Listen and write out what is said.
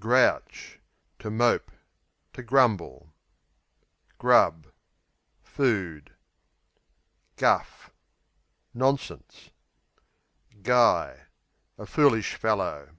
Grouch To mope; to grumble. Grub Food. Guff Nonsense. Guy A foolish fellow.